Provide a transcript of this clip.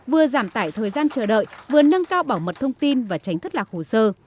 vừa giảm tải thời gian chờ đợi vừa nâng cao bảo mật thông tin và tránh thất lạc hồ sơ